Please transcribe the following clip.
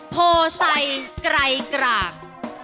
โพสัยใกล้กล่าง